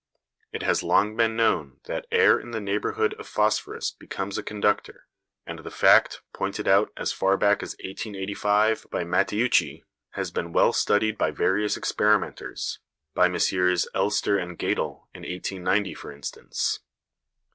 It has long been known that air in the neighbourhood of phosphorus becomes a conductor, and the fact, pointed out as far back as 1885 by Matteucci, has been well studied by various experimenters, by MM. Elster and Geitel in 1890, for instance.